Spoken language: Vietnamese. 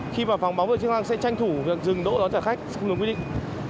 khi vào phòng báo về chức năng sẽ tranh thủ dừng đỗ đón trả khách không được quy định